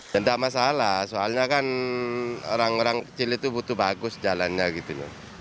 tidak masalah soalnya kan orang orang kecil itu butuh bagus jalannya gitu